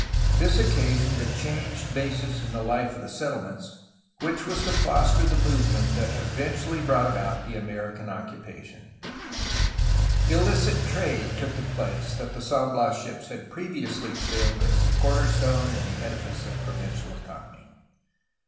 This occasioned a changed basis in the life of the settlements which was to foster the movement that eventually brought about the American occupation. Illicit trade took the place that the San Bias ships had previously filled as the corner stone in the edifice of 438 ERA OF THE WARS OF INDEPENDENCE, 1810 1822 439 provincial economy.